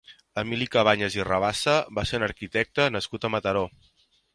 Emili Cabanyes i Rabassa va ser un arquitecte nascut a Mataró.